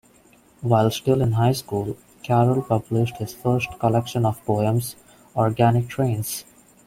While still in high school, Carroll published his first collection of poems, Organic Trains.